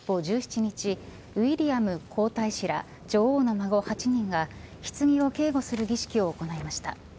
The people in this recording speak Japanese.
一方、１７日ウィリアム皇太子ら女王の孫８人がひつぎを警護する儀式を行いました。